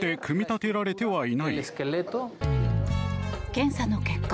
検査の結果